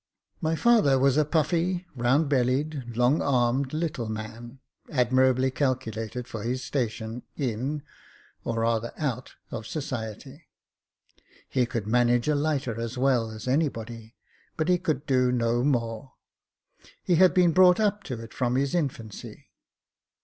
My father was a puffy, round bellied, long armed, little man, admirably calculated for his station in, or rather out of society. He could manage a lighter as well as any body ; but he could do no more. He had been brought up to it from his infancy.